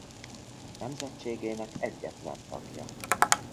Nemzetségének egyetlen tagja.